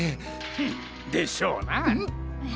フン！でしょうな。